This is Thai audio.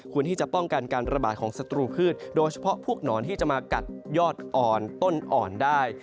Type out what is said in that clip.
ที่จะป้องกันการระบาดของศัตรูพืชโดยเฉพาะพวกหนอนที่จะมากัดยอดอ่อนต้นอ่อนได้